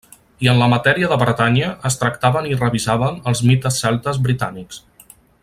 I en la Matèria de Bretanya es tractaven i revisaven els mites celtes britànics.